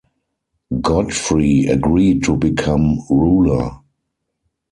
Godfrey agreed to become ruler.